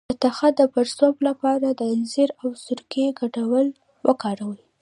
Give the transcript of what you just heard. د تخه د پړسوب لپاره د انځر او سرکې ګډول وکاروئ